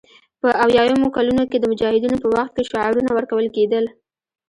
په اویایمو کلونو کې د مجاهدینو په وخت کې شعارونه ورکول کېدل